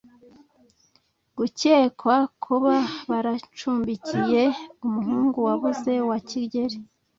gukekwa kuba baracumbikiye umuhungu wabuze wa kigeri